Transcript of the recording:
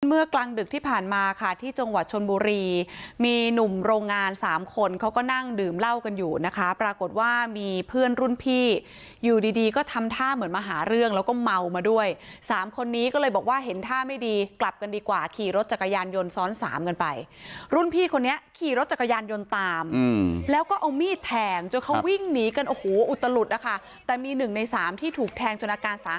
กลางดึกที่ผ่านมาค่ะที่จังหวัดชนบุรีมีหนุ่มโรงงานสามคนเขาก็นั่งดื่มเหล้ากันอยู่นะคะปรากฏว่ามีเพื่อนรุ่นพี่อยู่ดีดีก็ทำท่าเหมือนมาหาเรื่องแล้วก็เมามาด้วยสามคนนี้ก็เลยบอกว่าเห็นท่าไม่ดีกลับกันดีกว่าขี่รถจักรยานยนต์ซ้อนสามกันไปรุ่นพี่คนนี้ขี่รถจักรยานยนต์ตามแล้วก็เอามีดแทงจนเขาวิ่งหนีกันโอ้โหอุตลุดนะคะแต่มีหนึ่งในสามที่ถูกแทงจนอาการสา